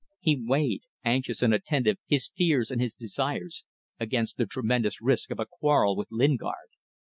He weighed, anxious and attentive, his fears and his desires against the tremendous risk of a quarrel with Lingard.